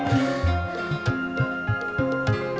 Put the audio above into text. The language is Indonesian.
bapak juga suka